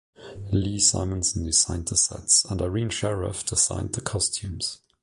Lee Simonson designed the sets and Irene Sharaff designed the costumes.